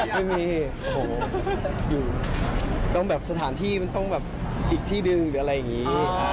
อยู่ต้องแบบสถานที่มันต้องแบบอีกที่ดึงหรืออะไรอย่างนี้